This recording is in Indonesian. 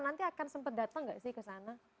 nanti akan sempet datang gak sih ke sana